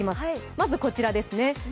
まずこちらですね。